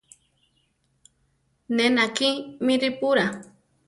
Ne nakí mí ripurá.